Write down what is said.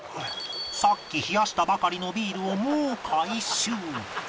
さっき冷やしたばかりのビールをもう回収